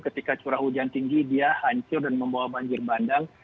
ketika curah hujan tinggi dia hancur dan membawa banjir bandang